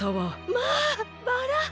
まあバラ。